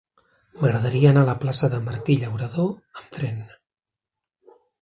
M'agradaria anar a la plaça de Martí Llauradó amb tren.